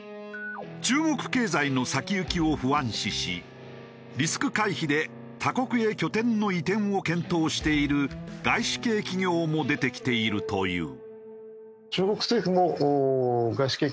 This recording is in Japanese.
中国経済の先行きを不安視しリスク回避で他国へ拠点の移転を検討している外資系企業も出てきているという。